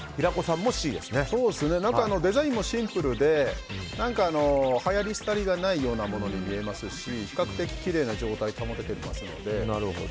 デザインもシンプルではやりすたりがないようなものに見えますし比較的きれいな状態が保ててますので。